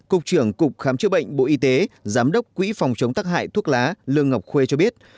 cục trưởng cục khám chữa bệnh bộ y tế giám đốc quỹ phòng chống tắc hại thuốc lá lương ngọc khuê cho biết